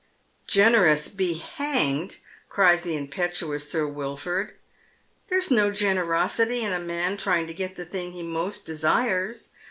" Generous be hanged !" cries the impetuous Sir Wil ford. "There's no generosity in a man trying to get the thing he most desires.